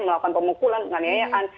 melakukan pemukulan penganiayaan